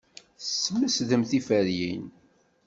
Tesmesdem tiferyin.